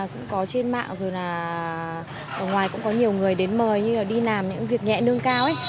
cũng có trên mạng rồi là ở ngoài cũng có nhiều người đến mời đi làm những việc nhẹ nương cao